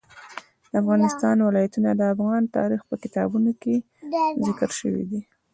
د افغانستان ولايتونه د افغان تاریخ په کتابونو کې ذکر شوی دي.